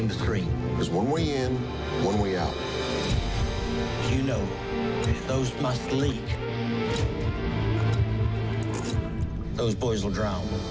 มีทางนี้ทางเถอะ